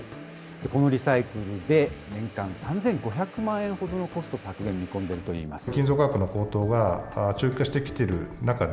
このリサイクルで、年間３５００万円ほどのコスト削減を見込んでいるといいます。